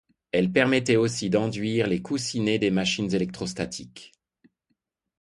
Il permettait aussi d'enduire les coussinets des machines électrostatiques.